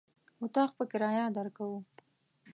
اطاق په کرايه درکوو.